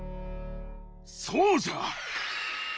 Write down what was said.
そうじゃ！